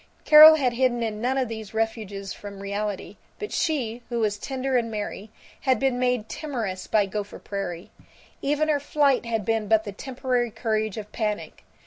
Carol had hidden in none of these refuges from reality, but she, who was tender and merry, had been made timorous by Gopher Prairie. Even her flight had been but the temporary courage of panic.